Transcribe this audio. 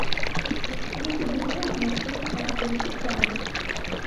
Мы падымаем настрой там, дзе выступаем.